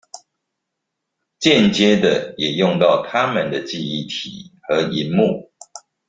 間接地也用到他們的記憶體和螢幕